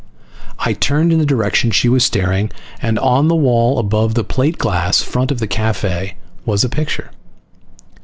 I turned in the direction she was staring, and on the wall above the plateglass front of the cafe was a picture.